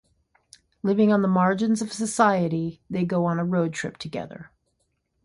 Living on the margins of society, they go on a road trip together.